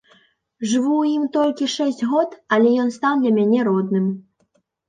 Жыву ў ім толькі шэсць год, але ён стаў для мяне родным.